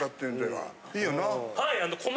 はい！